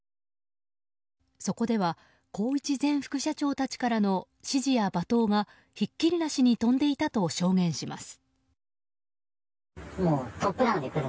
そこでは宏一前副社長たちからの指示や罵倒がひっきりなしに飛んでいたと証言します。